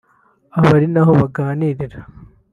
aba ari na ho baganirira